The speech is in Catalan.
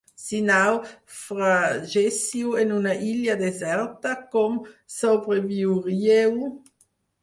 Si naufraguéssiu en una illa deserta, com sobreviuríeu?